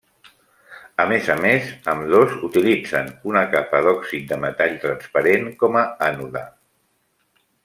A més a més, ambdós utilitzen una capa d’òxid de metall transparent com a ànode.